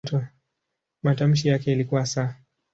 Matamshi yake ilikuwa "s".